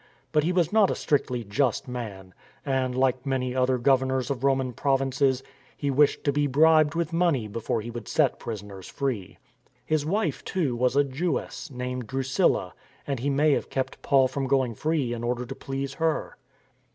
But he was not a strictly just man, and, like many other governors of Roman provinces, he wished to be bribed with money before he would set prisoners free. His wife, too, was a Jewess, named Drusilla, and he may have kept Paul from going free in order to please her.